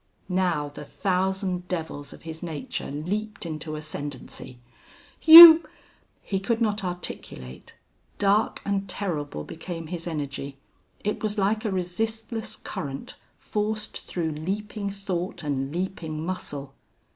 Now the thousand devils of his nature leaped into ascendancy. "You! " He could not articulate. Dark and terrible became his energy. It was like a resistless current forced through leaping thought and leaping muscle.